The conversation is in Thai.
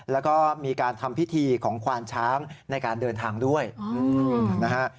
แล้วก็มีการทำพิธีของควานช้างในการเดินทางด้วยนะฮะ